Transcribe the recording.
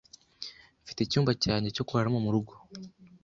Mfite icyumba cyanjye cyo kuraramo murugo.